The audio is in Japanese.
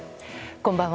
こんばんは。